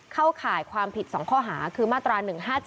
ข่ายความผิด๒ข้อหาคือมาตรา๑๕๗